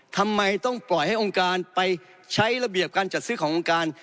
ทำไมต้องปล่อยให้องค์การไปใช้ระเบียบการจัดซื้อขององค์การ